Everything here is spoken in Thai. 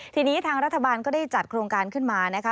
ทีนี้ทางรัฐบาลก็ได้จัดโครงการขึ้นมานะคะ